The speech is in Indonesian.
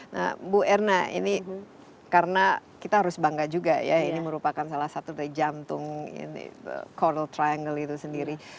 nah bu erna ini karena kita harus bangga juga ya ini merupakan salah satu dari jantung coral triangle itu sendiri